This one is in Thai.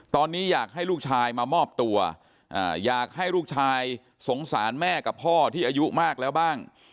ตอนนี้อยากให้ลูกชายมามอบตัวอยากให้ลูกชายสงสารแม่กับพ่อที่อายุมากแล้วบ้าง